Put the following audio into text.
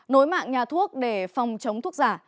nối mạng nhà thuốc để phòng chống thuốc giả